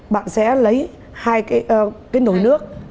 bạn sẽ lấy hai cái nồi nước